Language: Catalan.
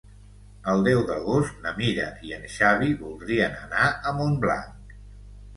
El deu d'agost na Mira i en Xavi voldrien anar a Montblanc.